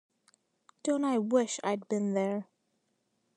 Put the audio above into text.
Don't I wish I'd been there!